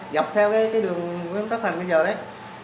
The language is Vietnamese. dọc theo cái đường nguyễn tất thành bây giờ đấy